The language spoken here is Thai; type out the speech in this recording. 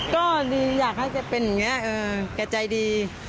จริงอยากให้เป็นอย่างนี้แกใจดี